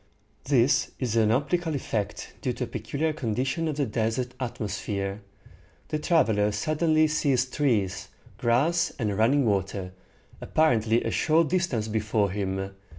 This is an optical effect due to a peculiar condition of the desert atmosphere. The traveler suddenly sees trees, grass, and running water, apparently a short distance before him.